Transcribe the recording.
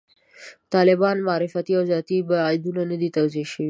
د طالبانو معرفتي او ذاتي بعدونه نه دي توضیح شوي.